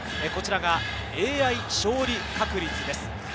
こちらがＡＩ勝利確率です。